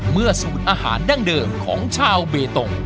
เมื่อสูตรอาหารดั้งเดิมของชาวเบตน์